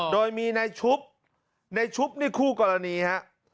โดยมีนายชุบในชุบนี่คู่กรณีฮะ